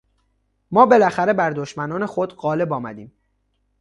ما بالاخره بر دشمنان خود غالب آمدیم.